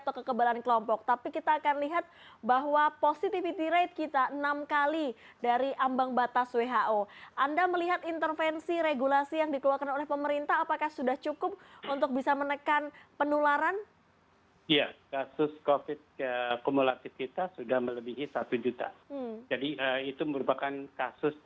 terima kasih mbak